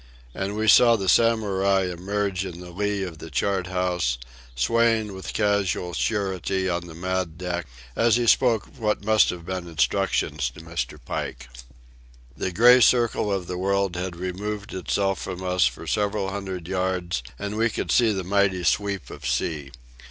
And we saw the Samurai emerge in the lee of the chart house, swaying with casual surety on the mad deck, as he spoke what must have been instructions to Mr. Pike. The gray circle of the world had removed itself from us for several hundred yards, and we could see the mighty sweep of sea.